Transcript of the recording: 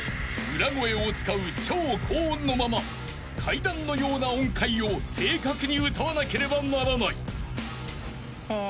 ［裏声を使う超高音のまま階段のような音階を正確に歌わなければならない］